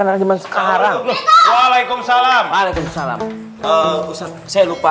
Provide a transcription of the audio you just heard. anak anak dimasukkan haram waalaikumsalam waalaikumsalam saya lupa